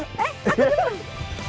eh aku dulu